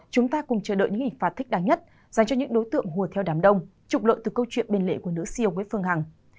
chúng ta cùng chờ đợi những hình phạt thích đáng nhất dành cho những đối tượng hùa theo đám đông trục lợi từ câu chuyện bình lệ của nữ ceo nguyễn phương hằng